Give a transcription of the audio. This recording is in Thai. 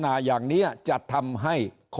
ถ้าท่านผู้ชมติดตามข่าวสาร